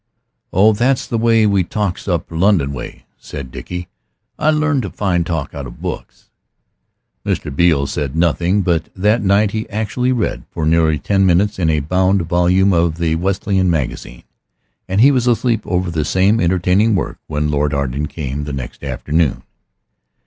"Oh, that's the way we talks up London way," said Dickie. "I learned to talk fine out o' books." Mr. Beale said nothing, but that night he actually read for nearly ten minutes in a bound volume of the Wesleyan Magazine. And he was asleep over the same entertaining work when Lord Arden came the next afternoon.